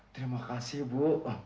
terima kasih bu